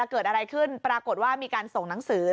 เกิดอะไรขึ้นปรากฏว่ามีการส่งหนังสือ